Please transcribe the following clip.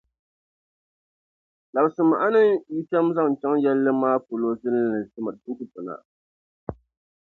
labisi a ni yu shɛm zaŋ chaŋ yɛlli maa polo zilinli ti ti na.